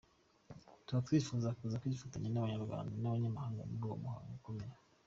Tuba twifuza kuza kwifatanya n’Abanyarwanda n’abanyamahanga muri uwo muhango ukomeye.